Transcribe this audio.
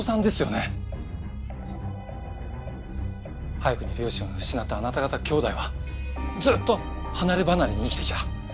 早くに両親を失ったあなた方兄妹はずっと離ればなれに生きてきた。